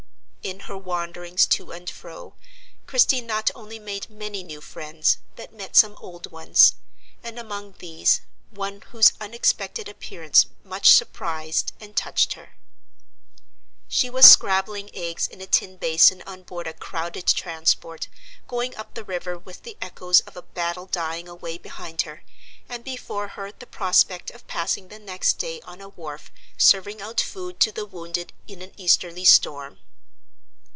In her wanderings to and fro, Christie not only made many new friends, but met some old ones; and among these one whose unexpected appearance much surprised and touched her. She was "scrabbling" eggs in a tin basin on board a crowded transport, going up the river with the echoes of a battle dying away behind her, and before her the prospect of passing the next day on a wharf serving out food to the wounded in an easterly storm.